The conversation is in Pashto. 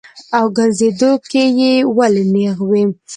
او ګرځېدو کښې ئې ولي نېغ وي -